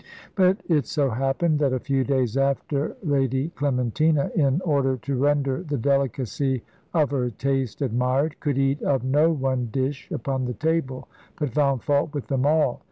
But it so happened that a few days after, Lady Clementina, in order to render the delicacy of her taste admired, could eat of no one dish upon the table, but found fault with them all.